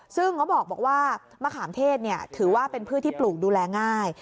ซึ่งเขาบอกว่ามะขามเทศถือว่าเป็นพืชที่ปลูกดูแลง่าย